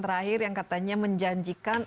terakhir yang katanya menjanjikan